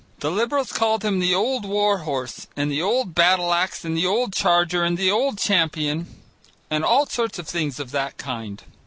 The Liberals called him the old war horse, and the old battle axe, and the old charger and the old champion and all sorts of things of that kind.